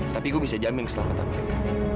tapi gue bisa jamin selama tamanya